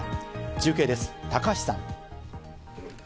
中継です、高橋さん。